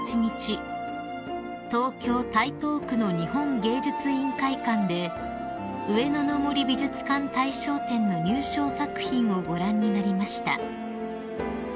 東京台東区の日本芸術院会館で上野の森美術館大賞展の入賞作品をご覧になりました］